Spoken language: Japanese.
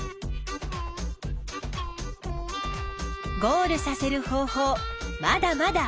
ゴールさせる方法まだまだあるかも！